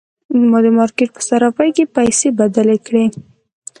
ما د مارکیټ په صرافۍ کې پیسې بدلې کړې.